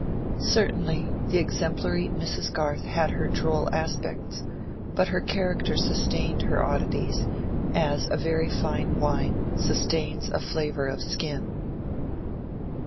Certainly, the exemplary Mrs. Garth had her droll aspects, but her character sustained her oddities, as a very fine wine sustains a flavor of skin.